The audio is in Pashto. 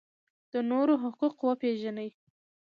د نورو حقوق وپیژنئ